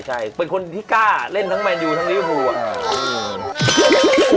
ใช่เป็นคนที่กล้าเล่นทั้งแมนดิวทั้งดิฟู